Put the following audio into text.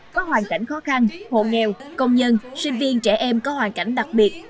có hoàn cảnh khó khăn hộ nghèo công nhân sinh viên trẻ em có hoàn cảnh đặc biệt